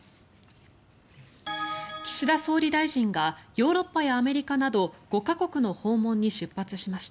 岸田総理大臣がヨーロッパやアメリカなど５か国の訪問に出発しました。